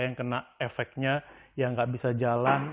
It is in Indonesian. yang kena efeknya yang gak bisa jalan